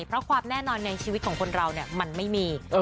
เพราะความแน่นอนในชีวิตของคนเรามันไม่มี